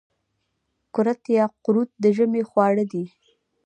کورت یا قروت د ژمي خواړه دي.